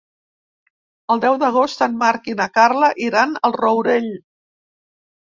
El deu d'agost en Marc i na Carla iran al Rourell.